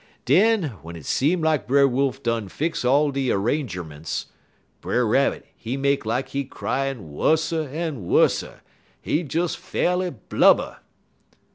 "Den w'en it seem lak Brer Wolf done fix all de 'rangerments, Brer Rabbit, he make lak he cryin' wusser en wusser; he des fa'rly blubber."